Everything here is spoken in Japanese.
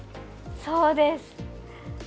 そうです！